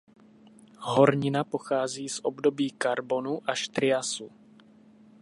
Hornina pochází z období karbonu až triasu.